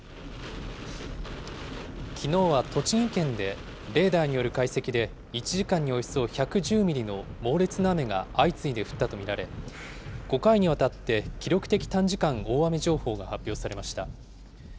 きのうは栃木県でレーダーによる解析で、１時間におよそ１１０ミリの猛烈な雨が相次いで降ったと見られ、５回にわたって記録的短時間大雨情報が発表されました。